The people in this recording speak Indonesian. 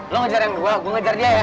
lu ngejar yang berbual gue ngejar dia ya